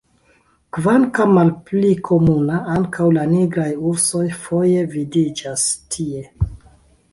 Kvankam malpli komuna, ankaŭ la nigraj ursoj foje vidiĝas tie.